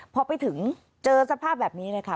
พอไปถึงเจอสภาพแบบนี้เลยค่ะ